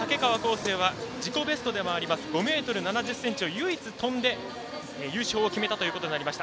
生は自己ベストではあります５ｍ７０ｃｍを跳んで優勝を決めたということになりました。